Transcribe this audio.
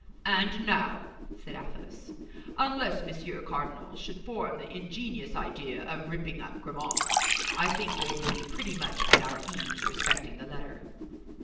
"And now," said Athos, "unless Monsieur Cardinal should form the ingenious idea of ripping up Grimaud, I think we may be pretty much at our ease respecting the letter."